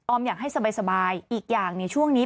อยากให้สบายอีกอย่างในช่วงนี้